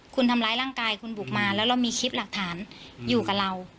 คุณทำร้ายร่างกายคุณบุกมาแล้วเรามีคลิปหลักฐานอยู่กับเรา